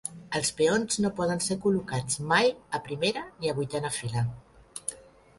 Els peons no poden ser col·locats mai a primera ni a vuitena fila.